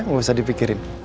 gak usah dipikirin